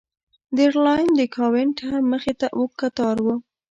د ایرلاین د کاونټر مخې ته اوږد کتار و.